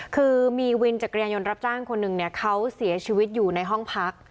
คือมีวินจักรยานยนต์รับจ้างคนหนึ่งเขาเสียชีวิตอยู่ในห้องพัก